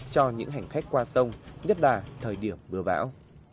cho những hành khách qua sông nhất là thời điểm bừa bão